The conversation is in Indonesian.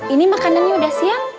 ini makanannya udah siang